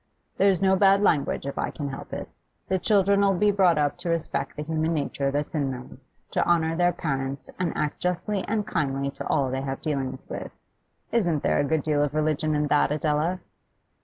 'There's no bad language if I can help it. The children 'll be brought up to respect the human nature that's in them, to honour their parents, and act justly and kindly to all they have dealings with. Isn't there a good deal of religion in that, Adela?